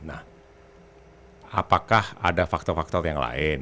nah apakah ada faktor faktor yang lain